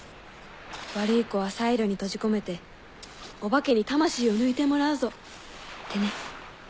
悪い子はサイロに閉じ込めてオバケに魂を抜いてもらうぞってね。